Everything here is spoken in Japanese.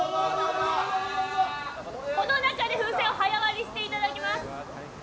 この中で風船を早割りしていただきます。